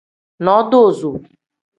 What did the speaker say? Nodoozo.